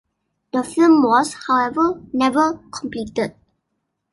The film was, however, never completed.